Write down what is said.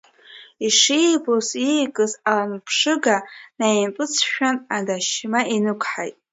Ишибоз, иикыз аланарԥшыга лаимпыҵшәан, адашьма инықәҳаит.